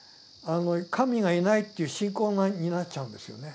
神がいないという信仰になっちゃうんですよね。